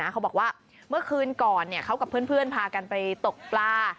เขาบอกว่าเมื่อคืนก่อนเขากับเพื่อนพากันไปตกปลา